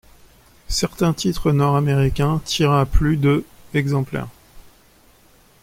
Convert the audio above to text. Certains titres nord-américains tirent à plus de exemplaires.